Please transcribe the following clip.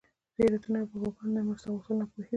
د زيارتونو او باباګانو نه مرسته غوښتل ناپوهي ده